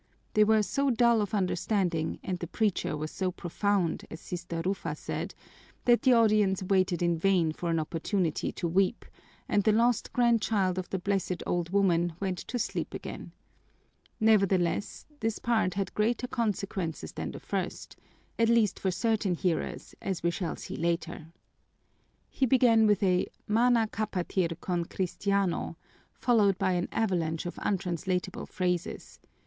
They were so dull of understanding and the preacher was so profound, as Sister Rufa said, that the audience waited in vain for an opportunity to weep, and the lost grandchild of the blessed old woman went to sleep again. Nevertheless, this part had greater consequences than the first, at least for certain hearers, as we shall see later. He began with a "Mana capatir con cristiano," followed by an avalanche of untranslatable phrases.